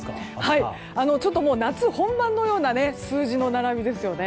ちょっと夏本番のような数字の並びですよね。